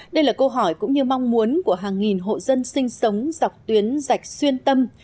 đây là câu hỏi cũng như mong muốn của hàng nghìn hộ dân sinh sống dọc tuyến rạch xuyên tâm